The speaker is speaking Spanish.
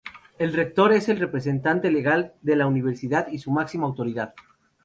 El Rector es el representante legal de la Universidad y su máxima autoridad.